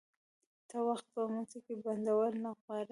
ته وخت په موټې کي بندول نه غواړي